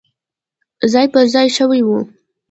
ځای پر ځای شوي وو.